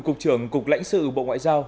cục trưởng cục lãnh sự bộ ngoại giao